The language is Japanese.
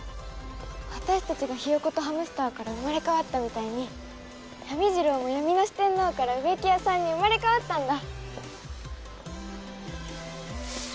私たちがひよことハムスターから生まれ変わったみたいにヤミジロウも闇の四天王から植木屋さんに生まれ変わったんだ。